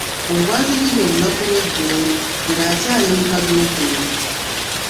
We bwazibidde olunaku lw'eggulo, ng'akyali mu kaduukulu.